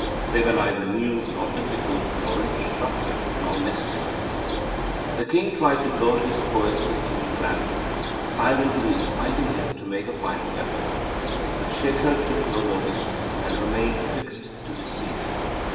They were neither new, nor difficult, nor instructive, nor necessary. The king tried to goad his poet with keen glances, silently inciting him to make a final effort. But Shekhar took no notice, and remained fixed to his seat.